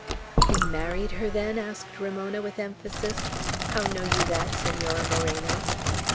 "He married her, then?" asked Ramona, with emphasis. "How know you that, Senora Moreno?"